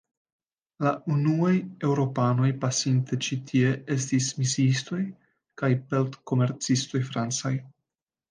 La unuaj Eŭropanoj pasinte ĉi-tie estis misiistoj kaj pelt-komercistoj francaj.